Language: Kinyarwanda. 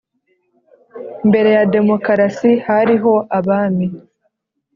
Mbere yademokarasi hariho abami